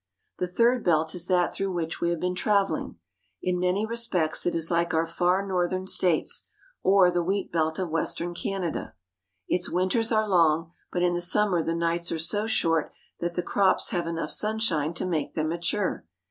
The third belt is that through which we have been travel ing. In many respects it is like our far northern states, or the wheat belt of western Canada. Its winters are long, but in the summer the nights are so short that the crops have enough sunshine to make them mature.